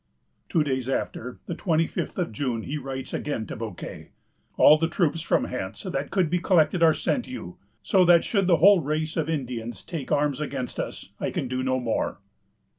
Two days after, the twenty fifth of June, he writes again to Bouquet: "All the troops from hence that could be collected are sent you; so that should the whole race of Indians take arms against us, I can do no more."